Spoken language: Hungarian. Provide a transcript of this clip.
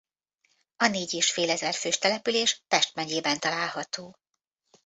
A négy és félezer fős település Pest megyében található.